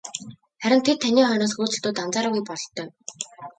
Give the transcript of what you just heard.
Харин тэд таны хойноос хөөцөлдөөд анзаараагүй бололтой.